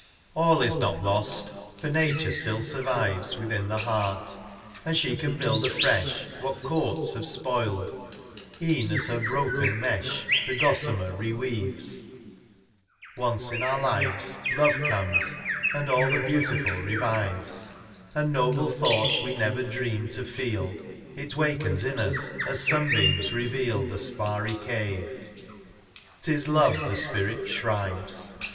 All is not lost, for Nature still survives Within the heart, and she can build afresh What courts have spoiled, e en as her broken mesh The gossamer re weaves, once in our lives Love comes, and all the beautiful revives ; And noble thoughts we never dreamed to feel. It wakens in us, as sunbeams reveal The sparry cave ; 't is love the spirit shrives.